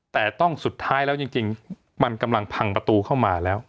แต่ต้องสุดท้ายแล้วจริงมันกำลังพังประตูเข้ามาแล้ว